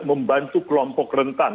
membantu kelompok rentan